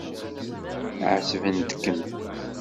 Ɛettbent-kem.